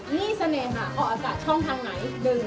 นี่เสน่หาออกอากาศช่องทางไหน